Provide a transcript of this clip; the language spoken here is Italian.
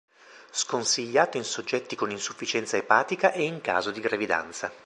Sconsigliato in soggetti con insufficienza epatica e in caso di gravidanza.